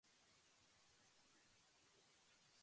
福島県喜多方市